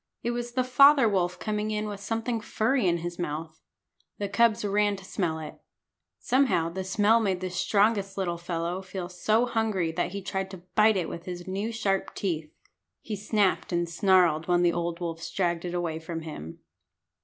It was the father wolf coming in with something furry in his mouth. The cubs ran to smell it. Somehow the smell made the strongest little fellow feel so hungry that he tried to bite it with his new sharp teeth. He snapped and snarled when the old wolves dragged it away from him.